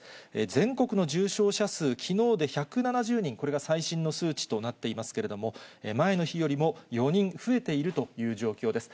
全国の重症者数、きのうで１７０人、これが最新の数値となっていますけれども、前の日よりも４人増えているという状況です。